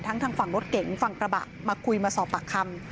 ทางฝั่งรถเก๋งฝั่งกระบะมาคุยมาสอบปากคำ